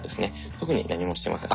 特に何もしてません。